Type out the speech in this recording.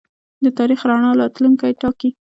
د تاریخ رڼا راتلونکی ټاکي.